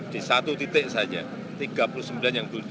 di satu titik saja tiga puluh sembilan yang dulu